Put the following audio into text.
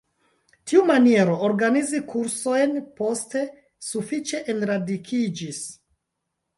Tiu maniero organizi kursojn poste sufiĉe enradikiĝis.